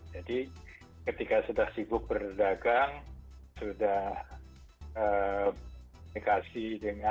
jadi ketika sudah sibuk berdagang sudah berdagang